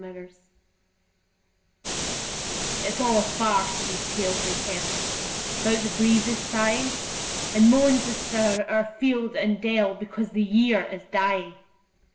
MERRY AUTUMN It's all a farce, these tales they tell About the breezes sighing, And moans astir o'er field and dell, Because the year is dying.